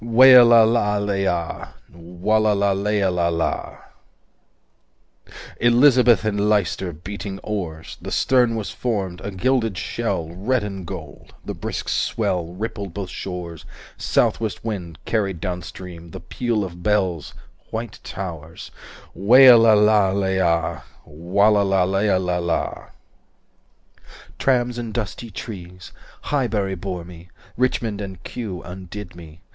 Weialala leia Wallala leialala Elizabeth and Leicester Beating oars 280 The stern was formed A gilded shell Red and gold The brisk swell Rippled both shores 285 South west wind Carried down stream The peal of bells White towers Weialala leia 290 Wallala leialala "Trams and dusty trees. Highbury bore me. Richmond and Kew Undid me.